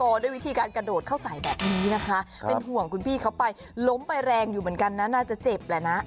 ด้วยวิธีการกระโดดเข้าใส่แบบนี้นะคะเป็นห่วงคุณพี่เขาไปล้มไปแรงอยู่เหมือนกันนะน่าจะเจ็บแหละนะ